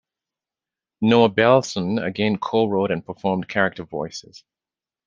Noah Belson again co-wrote and performed character voices.